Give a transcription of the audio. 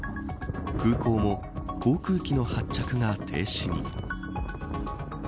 空港も航空機の発着が停止に。